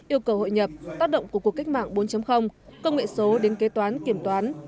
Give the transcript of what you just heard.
yêu cầu hội nhập tác động của cuộc cách mạng bốn công nghệ số đến kế toán kiểm toán